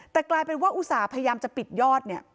แต่กลายเป็นว่าอุตส่าห์พยายามจะปิดยอดเนี่ย